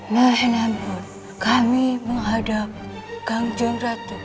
lainan pun kami menghadap kanjeng ratu